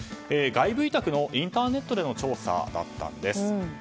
外部委託のインターネットでの調査だったんです。